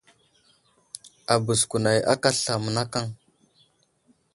Abəz kunay aka aslam mənakaŋ.